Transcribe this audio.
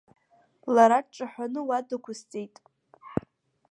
Лара дҿаҳәаны уа дықәысҵеит.